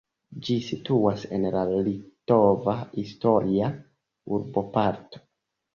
Ĝi situas en la litova historia urboparto.